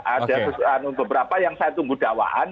ada beberapa yang saya tunggu dakwaan